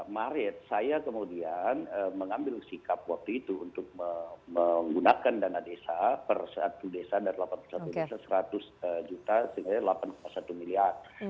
maret saya kemudian mengambil sikap waktu itu untuk menggunakan dana desa per satu desa dari delapan puluh satu desa seratus juta delapan satu miliar